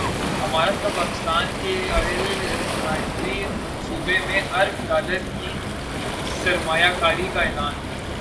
امارات کا پاکستان کی ئل ریفائنری منصوبے میں ارب ڈالر کی سرمایہ کاری کا اعلان